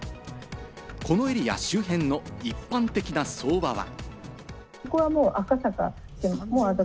このエリア周辺の一般的な相場は？